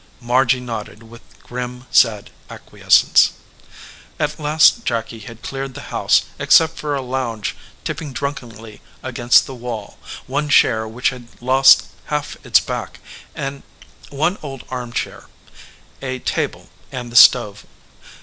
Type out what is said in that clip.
Margy nodded with grim, sad acquiescence. At last Jacky had cleared the house except for a lounge tipping drunkenly against the wall, one chair which had lost half its back, one old arm chair, a table, and the stove.